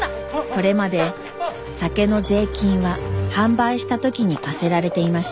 これまで酒の税金は販売した時に課せられていました。